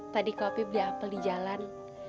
tadi kak opi beli apel di jalan